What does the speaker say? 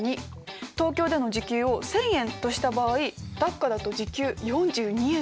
東京での時給を１，０００円とした場合ダッカだと時給４２円です。